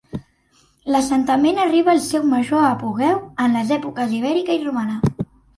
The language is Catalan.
L'assentament arriba al seu major apogeu en les èpoques ibèrica i romana.